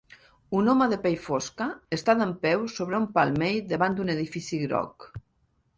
Un home de pell fosca està dempeus sobre un palmell davant d'un edifici groc.